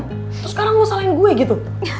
terus sekarang mau salahin gue gitu